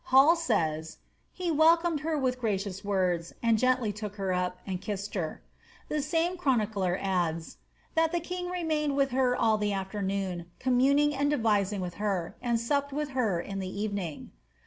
Hall says, ^ He welcomed her with gracious words, and gently took her up, and kissed her ;" the same chronicler adds, ^ That the king remained with her all the afternoon, communing and devising with her, and supped with her in the evening."